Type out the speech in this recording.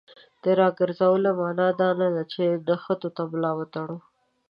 د راګرځولو معنا دا نه ده چې نښتو ته ملا وتړو.